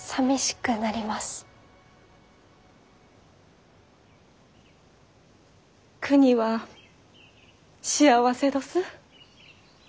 くには幸せどす。